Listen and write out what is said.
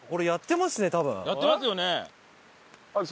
やってますよね。